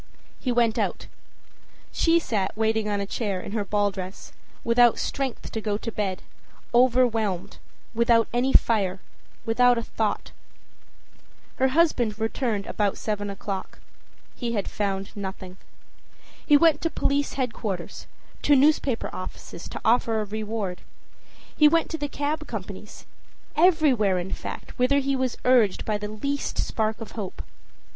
â He went out. She sat waiting on a chair in her ball dress, without strength to go to bed, overwhelmed, without any fire, without a thought. Her husband returned about seven o'clock. He had found nothing. He went to police headquarters, to the newspaper offices to offer a reward; he went to the cab companies everywhere, in fact, whither he was urged by the least spark of hope.